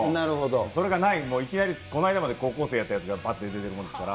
それがない、いきなりこの間まで高校生やったやつがぱって出てるもんですから。